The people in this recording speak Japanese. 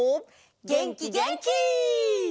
げんきげんき！